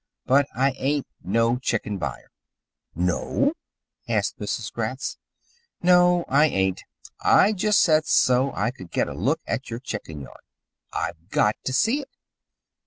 But I ain't no chicken buyer." "No?" asked Mrs. Gratz. "No, I ain't. I just said that so I could get a look at your chicken yard. I've got to see it.